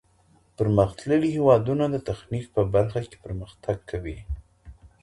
پرمختللي هېوادونه د تخنیک په برخه کي پرمختګ کوي.